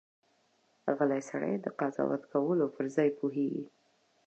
غلی سړی، د قضاوت کولو پر ځای پوهېږي.